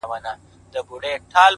لـكــه دی لـــونــــــگ،